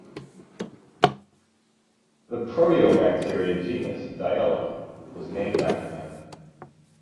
The proteobacteria genus "Dyella" was named after him.